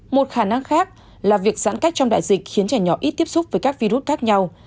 một khả năng khác là việc giãn cách trong đại dịch khiến trẻ nhỏ ít tiếp xúc với các virus khác nhau